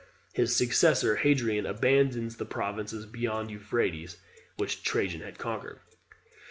His successor, Hadrian, abandons the provinces beyond the Euphrates, which Trajan had conquered.